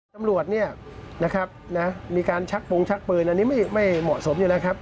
ตำรวจเนี่ยนะครับนะมีการชักโปรงชักปืนอันนี้ไม่เหมาะสมอยู่แล้วครับ